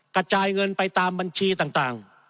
กระจายเงินไปตามบัญชีต่าง